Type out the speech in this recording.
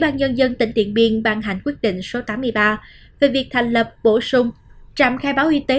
ủy ban nhân dân tỉnh điện biên ban hành quyết định số tám mươi ba về việc thành lập bổ sung trạm khai báo y tế